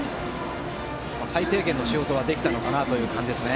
最低限の仕事はできたのかなという感じですね。